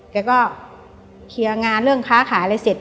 แกก็เคลียร์งานเรื่องค้าขายอะไรเสร็จ